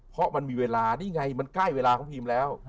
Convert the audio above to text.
เพราะมันมีเวลานี่ไงมันใกล้เวลาของพีมแล้ว